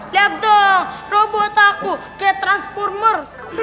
lihat dong robot aku kayak transformer